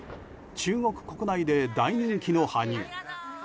中国国内で大人気の羽生。